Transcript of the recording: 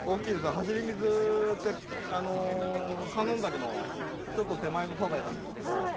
走水って観音崎のちょっと手前のサザエなんですけど。